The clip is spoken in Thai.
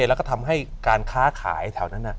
แล้วก็ทำให้การค้าขายแถวนั้น